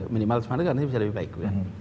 minimal sama itu bisa lebih baik